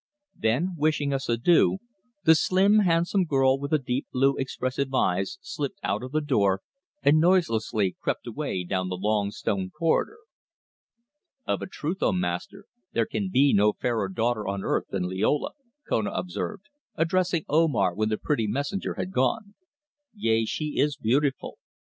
Then, wishing us adieu, the slim handsome girl with the deep blue expressive eyes slipped out of the door, and noiselessly crept away down the long stone corridor. "Of a truth, O Master, there can be no fairer daughter on earth than Liola," Kona observed, addressing Omar when the pretty messenger had gone. "Yea, she is beautiful.